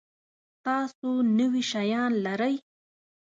تاسو نوي شیان لرئ؟